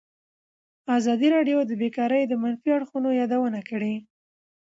ازادي راډیو د بیکاري د منفي اړخونو یادونه کړې.